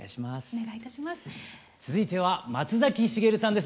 続いては松崎しげるさんです。